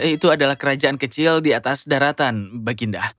itu adalah kerajaan kecil di atas daratan baginda